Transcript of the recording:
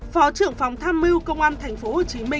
phó trưởng phòng tham mưu công an tp hcm